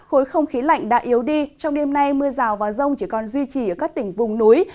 khối không khí lạnh đã yếu đi trong đêm nay mưa rào và rông chỉ còn duy trì ở các tỉnh vùng núi